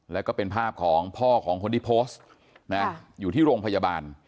แล้วก็เป็นภาพของพ่อของคนที่โพสต์อยู่ที่โรงพยาบาล